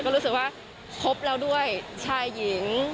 ก็รู้สึกว่าครบแล้วด้วยชายหญิง